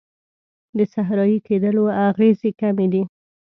د صحرایې کیدلو اغیزې کمې کړي.